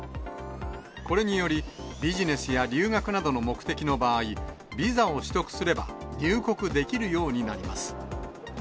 これにより、ビジネスや留学などの目的の場合、ビザを取得すれば、入国できるようになります。